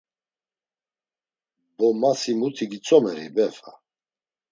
Bo ma si muti gitzomeri Befa?